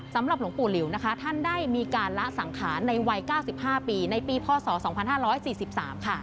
สำหรับหลวงปู่หลิวนะคะท่านได้มีการละสังขารในวัย๙๕ปีในปีพศ๒๕๔๓ค่ะ